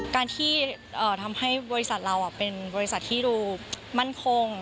การที่ทำให้บริษัทเราเป็นบริษัทที่ดูมั่นคง